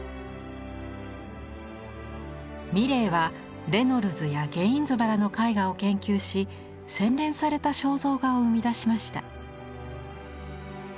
ミレイはレノルズやゲインズバラの絵画を研究し洗練された肖像画を生み出しました。